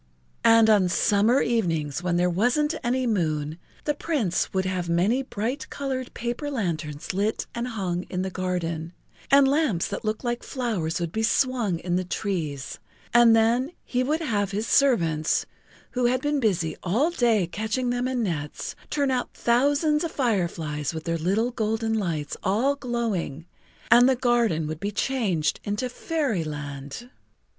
And on summer evenings when there wasn't any moon the Prince would have many bright colored paper lanterns lit and hung in the garden, and lamps that looked like flowers would be swung in the trees, and then he would have his servants, who had been busy all day catching them in nets, turn out thousands of fireflies with their little golden lights all glowing, and the garden would be changed into fairyland.